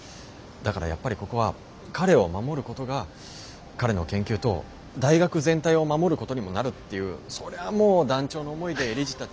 だからやっぱりここは彼を守ることが彼の研究と大学全体を守ることにもなるっていうそりゃもう断腸の思いで理事たち。